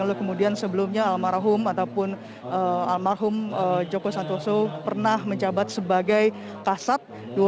lalu kemudian sebelumnya almarhum ataupun almarhum joko santoso pernah menjabat sebagai kasat